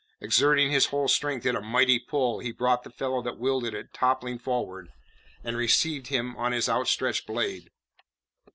Exerting his whole strength in a mighty pull, he brought the fellow that wielded it toppling forward, and received him on his outstretched blade.